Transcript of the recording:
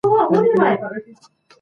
مطالعه د انسان په دریځ کې نرمښت راولي.